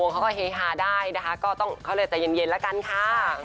ค่ะชิลครับผม